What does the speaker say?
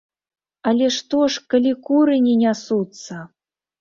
Але што ж, калі куры не нясуцца!